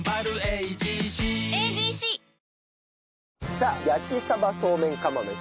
さあ焼鯖そうめん釜飯。